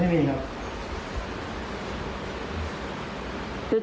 ไม่มีครับ